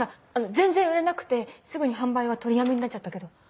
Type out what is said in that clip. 全然売れなくてすぐに販売は取りやめになっちゃったけど。